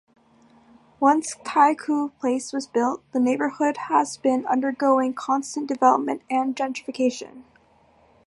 Once Taikoo Place was built, the neighbourhood has been undergoing constant development and gentrification.